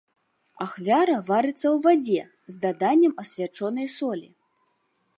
Ахвяра варыцца ў вадзе, з даданнем асвячонай солі.